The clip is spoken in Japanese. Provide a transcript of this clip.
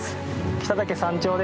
北岳山頂です。